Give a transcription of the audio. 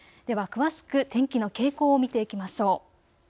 では詳しく天気の傾向を見ていきましょう。